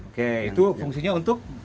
oke itu fungsinya untuk